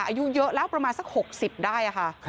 อายุเยอะแล้วประมาณสัก๖๐ได้ค่ะ